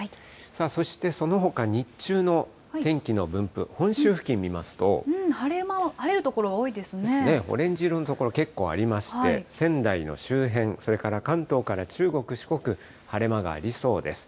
そしてそのほか、日中の天気の分晴れ間は、晴れる所が多いでですね、オレンジ色の所、結構ありまして、仙台の周辺、それから関東から中国、四国、晴れ間がありそうです。